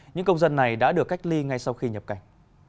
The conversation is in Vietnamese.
những công dân này đã được cách ly ngay sau khi nhập cảnh